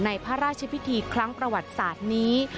พระราชพิธีครั้งประวัติศาสตร์นี้